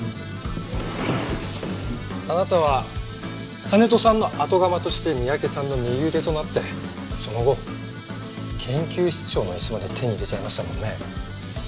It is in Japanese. あなたは金戸さんの後釜として三宅さんの右腕となってその後研究室長の椅子まで手に入れちゃいましたもんね。